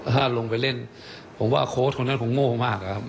ถ้าไงครับถ้าลงไปเล่นคโอชคนนั้นคงโง่มากครับ